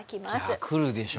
いやくるでしょ。